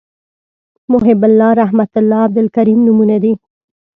محیب الله رحمت الله عبدالکریم نومونه دي